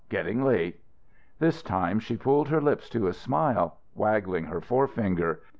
Getting late." This time she pulled her lips to a smile, waggling her forefinger.